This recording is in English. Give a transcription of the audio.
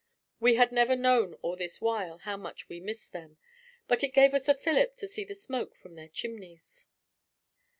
We had never known all this while how much we missed them; but it gave us a fillip to see the smoke from their chimneys.